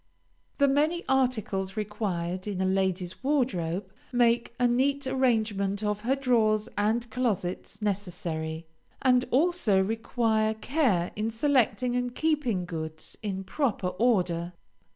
The many articles required in a lady's wardrobe make a neat arrangement of her drawers and closets necessary, and also require care in selecting and keeping goods in proper order.